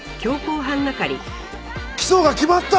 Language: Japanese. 起訴が決まった！